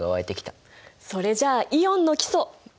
それじゃイオンの基礎いくよ。